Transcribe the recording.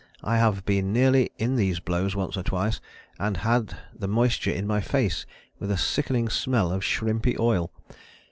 I have been nearly in these blows once or twice and had the moisture in my face with a sickening smell of shrimpy oil.